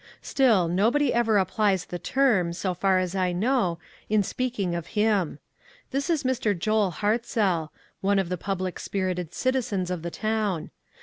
Still, nobody ever ap plies the term, so far as I know, in speak ing of him. This is Mr. Joel Hartzell, one of the public spirited citizens of the town.